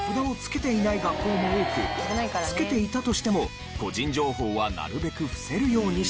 付けていたとしても個人情報はなるべく伏せるようにしているんです。